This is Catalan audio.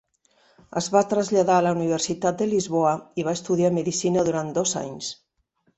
Es va traslladar a la Universitat de Lisboa i va estudiar medicina durant dos anys.